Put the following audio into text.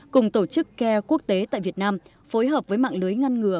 cùng tổ chức care quốc tế tại việt nam phối hợp với mạng lưới ngăn ngừa